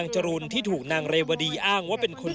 จริงอย่าลาวคุณ